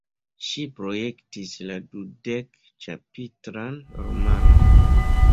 Ŝi projektis la dudek-ĉapitran romanon.